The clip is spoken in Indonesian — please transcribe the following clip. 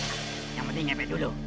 cepat mak yang penting ngepek dulu